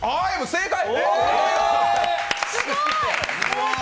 正解！